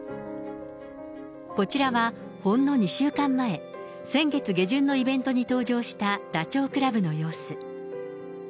こちらは、ほんの２週間前、先月下旬のイベントに登場したダチョウ倶楽部の様子。